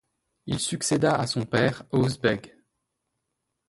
Il succéda à son père Özbeg.